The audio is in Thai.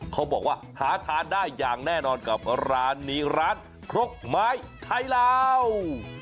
เขาบอกว่าหาทานได้อย่างแน่นอนกับร้านนี้ร้านครกไม้ไทยลาว